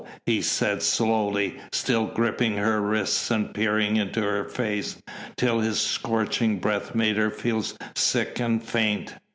he said slowly, still gripping her wrists and peering into her face till his scorching breath made her feel sick and faint.